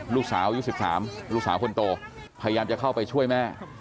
ลูกสาวอายุ๑๓ลูกสาวคนโตพยายามจะเข้าไปช่วยแม่